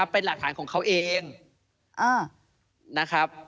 เป็นหลักฐานของเขาเองนะครับ